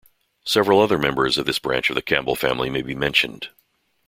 Several other members of this branch of the Campbell family may be mentioned.